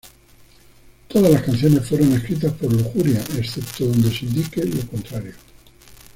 Todas las canciones fueron escritas por Lujuria, excepto donde se indique lo contrario.